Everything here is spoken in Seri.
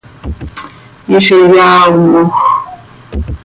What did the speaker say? Hizi yaaomoj.